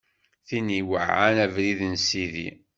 Tin iweɛɛan abrid n Sidi.